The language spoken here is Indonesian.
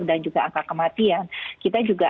dan juga angka kematian kita juga